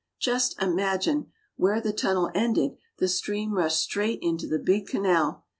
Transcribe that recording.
Just imagine! Where the tunnel ended the stream rushed straight into the big canal.